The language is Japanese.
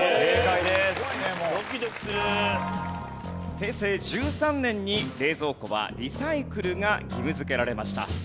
平成１３年に冷蔵庫はリサイクルが義務付けられました。